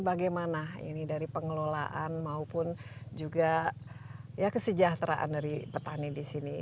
bagaimana ini dari pengelolaan maupun juga ya kesejahteraan dari petani di sini